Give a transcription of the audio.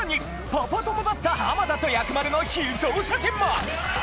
パパ友だった浜田と薬丸の秘蔵写真も！